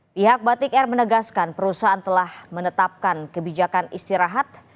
pihak batik air menegaskan perusahaan telah menetapkan kebijakan istirahat